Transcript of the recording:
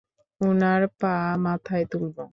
উনার পা মাথায় তুলবো?